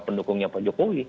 pendukungnya pak jokowi